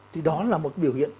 thì đó là một biểu hiện